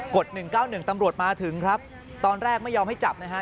ด๑๙๑ตำรวจมาถึงครับตอนแรกไม่ยอมให้จับนะฮะ